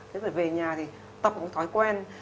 thế rồi về nhà thì tập một cái thói quen